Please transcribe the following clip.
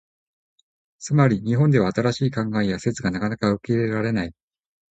つまり、日本では新しい考えや説がなかなか受け入れられない。